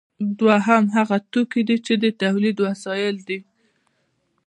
دویم هغه توکي دي چې د تولید وسایل دي.